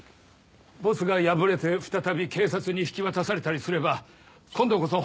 ボスが敗れて再び警察に引き渡されたりすれば今度こそ。